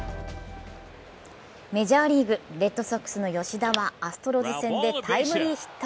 メジャーリーグ、レッドソックスの吉田はアストロズ戦でタイムリーヒット。